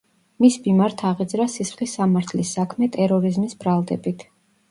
მის მიმართ აღიძრა სისხლის სამართლის საქმე ტერორიზმის ბრალდებით.